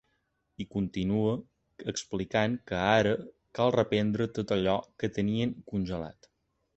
I continua explicant que ara cal reprendre tot allò que tenien congelat.